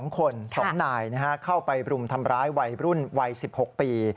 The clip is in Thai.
๒คน๒นายเข้าไปรุมทำร้ายวัยรุ่นวัย๑๖ปี